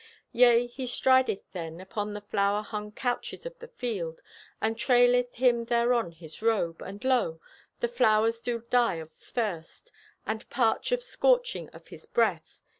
Yea, he strideth then Upon the flower hung couches of the field, And traileth him thereon his robe, And lo, the flowers do die of thirst And parch of scoarching of his breath.